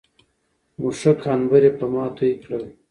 مښک، عنبر يې په ما توى کړل